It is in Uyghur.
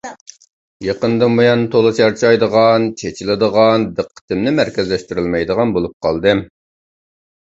يېقىندىن بۇيان تولا چارچايدىغان، چېچىلىدىغان، دىققىتىمنى مەركەزلەشتۈرەلمەيدىغان بولۇپ قالدىم.